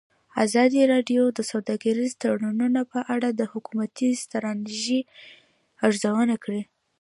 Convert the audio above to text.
ازادي راډیو د سوداګریز تړونونه په اړه د حکومتي ستراتیژۍ ارزونه کړې.